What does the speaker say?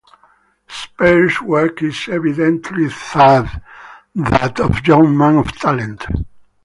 Spare's work is evidently that of young man of talent.